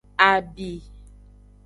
Abi.